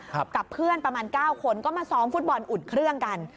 กับเพื่อนประมาณเก้าคนก็มาซ้อมฟุตบอลอุ่นเครื่องกัน